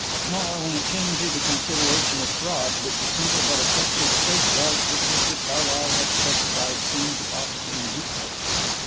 Nor, when it came to the consideration of fraud, did the simple but effective safeguards which Mr Carlyle had specified seem to offer any loophole.